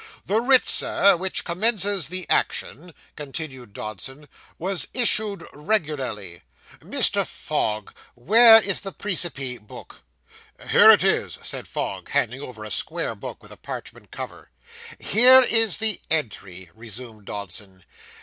'The writ, Sir, which commences the action,' continued Dodson, 'was issued regularly. Mr. Fogg, where is the _Praecipe _book?' 'Here it is,' said Fogg, handing over a square book, with a parchment cover. 'Here is the entry,' resumed Dodson.